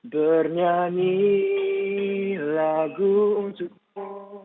bernyanyi lagu untukmu